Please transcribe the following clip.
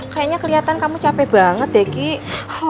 kayaknya keliatan kamu capek banget deh kiki